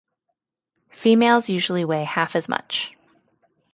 Females usually weigh half as much.